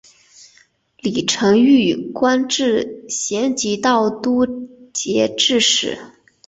李澄玉官至咸吉道都节制使。